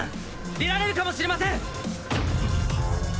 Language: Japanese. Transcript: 出られるかもしれません！